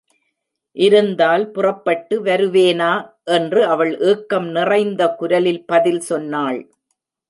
இருந்தால் புறப்பட்டு வருவேனா? என்று அவள் ஏக்கம் நிறைந்த குரலில் பதில் சொன்னாள்.